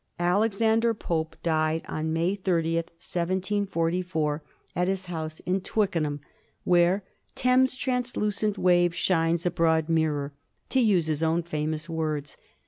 Alexander Pope died on May 30, 1744, at his house in Twickenham, where '' Thames' translucent wave shines a broad mirror," to use his own famous words.